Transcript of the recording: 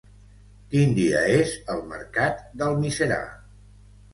Quin dia és el mercat d'Almiserà?